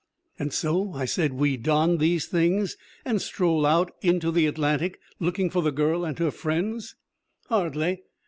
"And so," I said, "we don these things and stroll out into the Atlantic looking for the girl and her friends?" "Hardly.